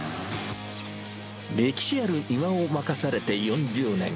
歴史ある庭を任されて４０年。